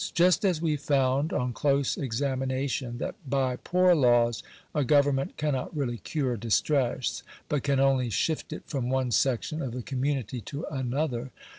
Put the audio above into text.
Just as we found, on close examination, that by poor laws a government cannot really cure distress, but can only shift it from one section of the community to another (p.